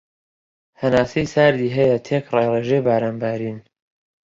هەناسەی ساردی هەیە تێکرای رێژەی باران بارین